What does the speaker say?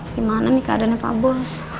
gimana nih keadaannya pak bos